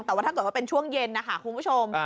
แต่ว่าถ้าเกิดว่าเป็นช่วงเย็นนะคะคุณผู้ชม